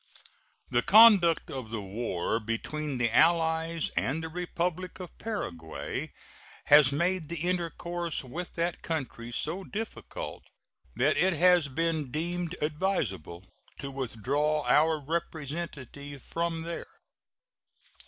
The conduct of the war between the allies and the Republic of Paraguay has made the intercourse with that country so difficult that it has been deemed advisable to withdraw our representative from there.